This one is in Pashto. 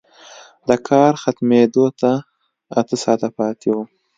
د کار ختمېدو ته اته ساعته پاتې وو